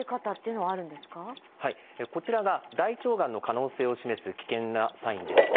こちらが大腸がんの可能性を示す危険なサインです。